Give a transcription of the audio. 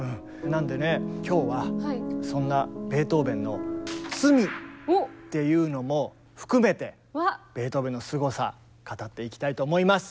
なんでね今日はそんなベートーベンの罪っていうのも含めてベートーベンのすごさ語っていきたいと思います。